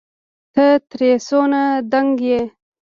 ته ترې څونه دنګ يې